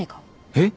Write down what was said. えっ！？